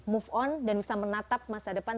move on dan bisa menatap masa depan